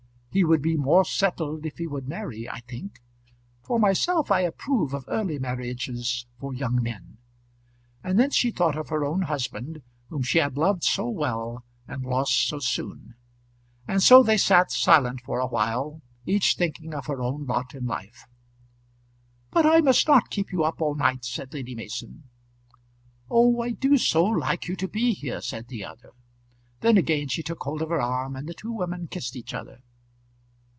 He would be more settled if he would marry, I think. For myself I approve of early marriages for young men." And then she thought of her own husband whom she had loved so well and lost so soon. And so they sat silent for a while, each thinking of her own lot in life. "But I must not keep you up all night," said Lady Mason. "Oh, I do so like you to be here," said the other. Then again she took hold of her arm, and the two women kissed each other.